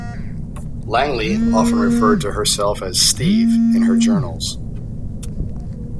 Langley often referred to herself as 'Steve' in her journals.